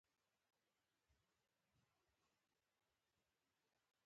چې سواتي لهجه زده کي.